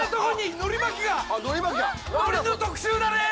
のりの特集だね！